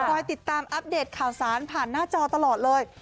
คอยติดตามอัปเดตข่าวสารผ่านหน้าจอตลอดเลย